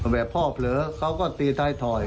แบบพ่อเผลอเขาก็ตีท้ายถอย